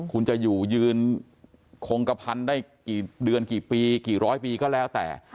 คุณจะอยู่ยืนคงกระพันได้กี่เดือนกี่ปีกี่ร้อยปีก็แล้วแต่